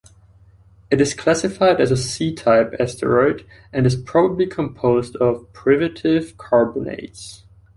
It is classified as a C-type asteroid and is probably composed of privitive carbonates.